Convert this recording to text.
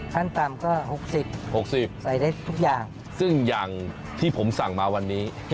ขั้นต่ำก็๖๐๖๐ใส่ได้ทุกอย่างซึ่งอย่างที่ผมสั่งมาวันนี้